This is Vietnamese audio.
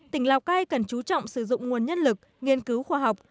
tỉnh lào cai cần chú trọng sử dụng nguồn nhân lực nghiên cứu khoa học